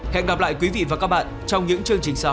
hẹn gặp lại quý vị và các bạn trong những chương trình sau